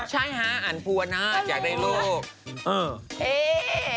ลูกชายใช่ไหมใช่ฮะอันภูวนาศอยากได้ลูกอื้อ